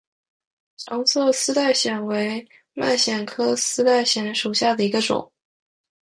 橙色丝带藓为蔓藓科丝带藓属下的一个种。